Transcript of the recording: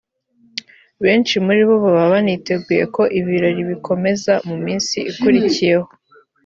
benshi muri bo baba baniteguye ko ibirori bikomeza ku munsi ukurikiyeho